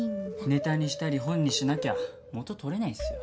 ネタにしたり本にしなきゃ元取れないっすよ。